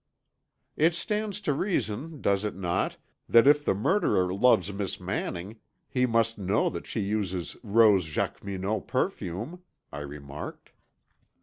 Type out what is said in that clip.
"It stands to reason, does it not, that if the murderer loves Miss Manning he must know that she uses rose jacqueminot perfume?" I remarked.